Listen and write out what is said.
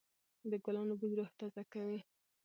د ګلانو بوی روح تازه کوي.